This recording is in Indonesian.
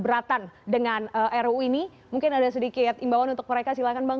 oleh masyarakat yang merasa keberatan dengan ru ini mungkin ada sedikit imbauan untuk mereka silakan bang